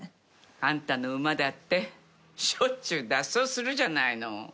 あんたの馬だってしょっちゅう脱走するじゃないの。